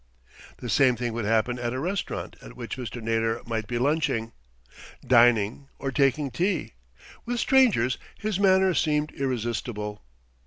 The same thing would happen at a restaurant at which Mr. Naylor might be lunching, dining or taking tea. With strangers his manner seemed irresistible.